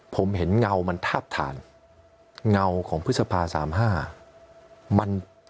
ผมเห็นเงามันทาบทานเงาของพฤษภา๓๕มัน